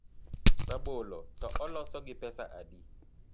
Rabolo to oloso gi pesa adi?